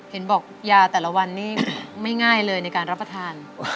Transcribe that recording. เห็นบอกยาแต่ละวันนี้ไม่ง่ายเลยในการรับประทาน